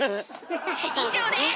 以上です！